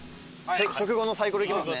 食後のサイコロいきますね。